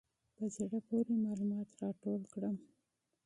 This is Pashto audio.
په زړه پورې معلومات راټول کړم.